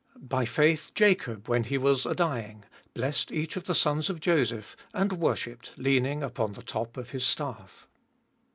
21. By faith Jacob, when he was a dying, blessed each of the sons of Joseph; and worshipped, leaning upon the top of his staff.